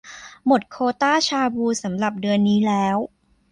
หมดโควตาชาบูสำหรับเดือนนี้แล้ว